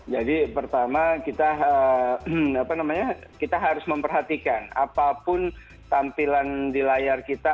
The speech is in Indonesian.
jadi pertama kita harus memperhatikan apapun tampilan di layar kita